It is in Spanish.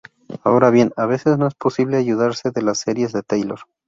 Ahora bien, a veces no es posible ayudarse de las series de Taylor.